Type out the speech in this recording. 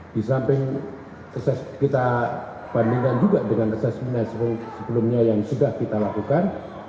dan kita bandingkan juga dengan assessment sebelumnya yang sudah kita lakukan